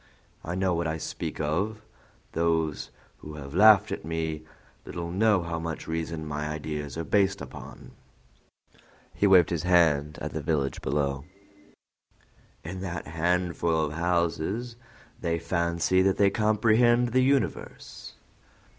I know what I speak of; those who have laughed at me little know how much reason my ideas are based upon." He waved his hand toward the village below. "In that handful of houses they fancy that they comprehend the universe."